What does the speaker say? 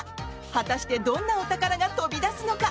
果たしてどんなお宝が飛び出すのか？